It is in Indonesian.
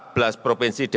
ini target yang tidak mudah